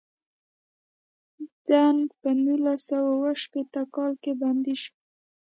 دینګ په نولس سوه اووه شپیته کال کې بندي شو.